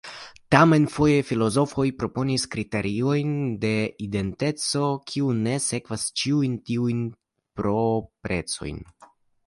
Tamen foje filozofoj proponis kriteriojn de identeco kiu ne sekvas ĉiujn tiujn proprecojn.